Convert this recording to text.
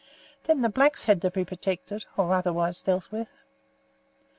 Then the blacks had to be protected, or otherwise dealt with.